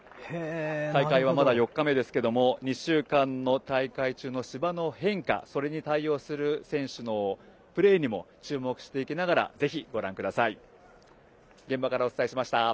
大会はまだ４日目ですが２週間の大会のうちの芝の変化、それに対応する選手のプレーにも注目していきながらご覧ください。